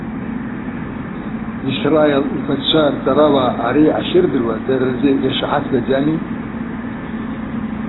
Исраил иԥацәа рҵарауаа ари ахьырдыруа, дара рзы иршаҳаҭгаӡами?